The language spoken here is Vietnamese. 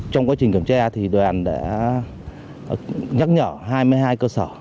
trong quá trình kiểm tra thì đoàn đã nhắc nhở hai mươi hai cơ sở